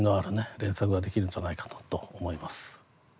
連作ができるんじゃないかなと思います。